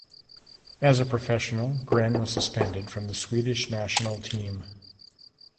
As a professional, Gren was suspended from the Swedish national team.